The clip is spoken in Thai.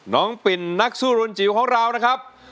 ปิ่นนักสู้รุนจิ๋วของเรานะครับ